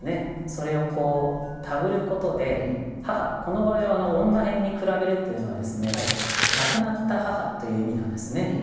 それを手繰ることで「妣」この場合は女偏に比べるというのはですね亡くなった母という意味なんですね。